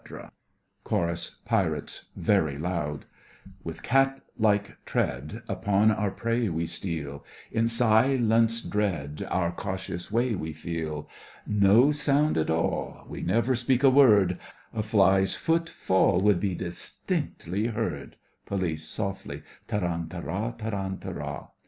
CHORUS—PIRATES (very loud) With cat like tread, Upon our prey we steal; In silence dread, Our cautious way we feel. No sound at all! We never speak a word; A fly's foot fall Would be distinctly heard— POLICE: (softly) Tarantara, tarantara!